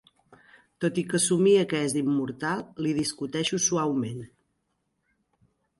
Tot i que somia que és immortal, li discuteixo suaument.